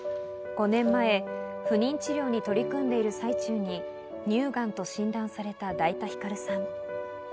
５年前、不妊治療に取り組んでいる最中に乳がんと診断された、だいたひかるさん。